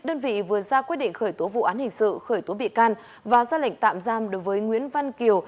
đơn vị vừa ra quyết định khởi tố vụ án hình sự khởi tố bị can và ra lệnh tạm giam đối với nguyễn văn kiều